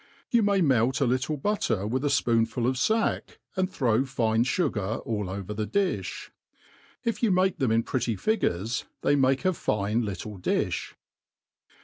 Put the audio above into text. You may melt a little butter with a fpoonful of fack, and throw fine fugar all over the diOi., If you make them in pretty figures, they make a fine little di(h.